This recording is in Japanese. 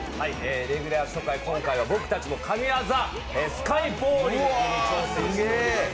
レギュラー初回の今回は僕たちも神業スカイボウリングに挑戦しています。